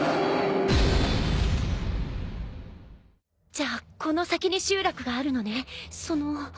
じゃあこの先に集落があるのねその。